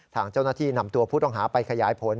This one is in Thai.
ทางเจ้าหน้าที่นำตัวผู้ต้องหาไปขยายผล